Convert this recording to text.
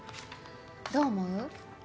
どう思う？